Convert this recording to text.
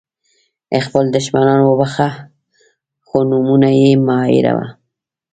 خپل دښمنان وبخښه خو نومونه یې مه هېروه.